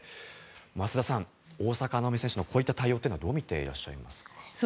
増田さん、大坂なおみ選手のこういった対応をどう見ていらっしゃいますか？